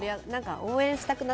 応援したくなる。